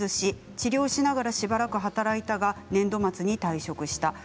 精神的に体調を崩し治療しながらしばらく働いたが年度末に退職しました。